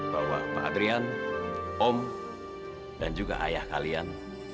bahwa pak adrian om dan juga ayah kalian